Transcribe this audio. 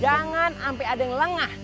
jangan sampai ada yang lengah